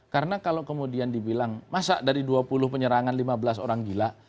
karena kalau kemudian dibilang masa dari dua puluh penyerangan lima belas orang gila